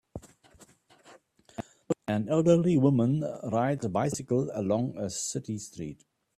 An elderly woman rides a bicycle along a city street.